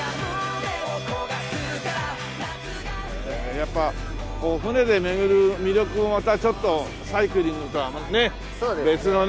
やっぱり船で巡る魅力もまたちょっとサイクリングとはね別のね。